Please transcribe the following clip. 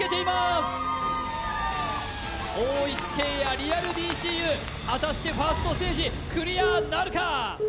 リアルＤＣＵ果たしてファーストステージクリアなるか？